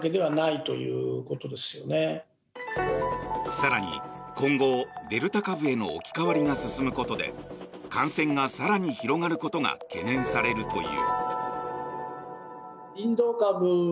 更に今後、デルタ株への置き換わりが進むことで感染が更に広がることが懸念されるという。